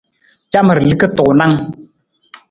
Camar liki tuunng.